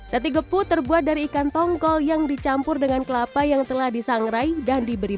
sate gepuk terbuat dari ikan tongkol yang dicampur dengan kelapa yang telah disangrai dan diberi